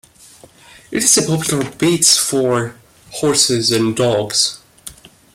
It is a popular beach for horses and dogs.